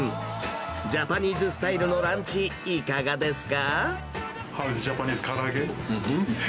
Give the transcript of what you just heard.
ジャパニーズスタイルのランチ、いかがですか？